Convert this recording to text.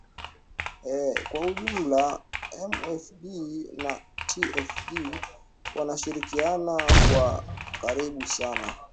ee kwa ujumla mfd na tfd wanashirikiana kwa karibu sana